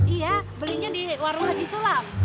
iya belinya di warung haji sulap